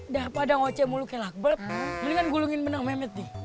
daripada ngocet mulu kayak lakbert mendingan gulungin benang mehmet nih